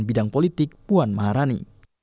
di bidang politik puan maharani